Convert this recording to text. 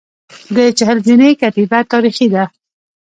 د چهل زینې کتیبه تاریخي ده